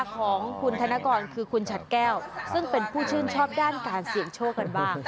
ของคุณธนกรคือคุณฉัดแก้วซึ่งเป็นผู้ชื่นชอบด้านการเสี่ยงโชคกันบ้าง